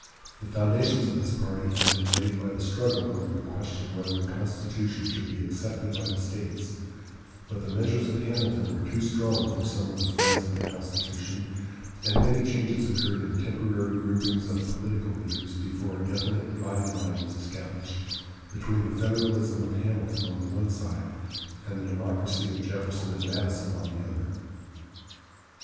The foundations of this party had been laid by the struggle over the question whether the Constitution should be accepted by the states; but the measures of Hamilton were too strong for some of the friends of the Constitution, and many changes occurred in the temporary groupings of political leaders before a definite dividing line was established between the Federalism of Hamilton on the one side and the Democracy of Jefferson and Madison on the other.